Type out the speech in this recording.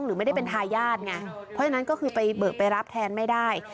หรือไม่ได้เป็นทายาทไงเพราะฉะนั้นก็คือไปเบิกไปรับแทนไม่ได้